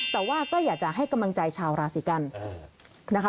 แต่ว่าก็อยากจะให้กำลังใจชาวราศีกันนะคะ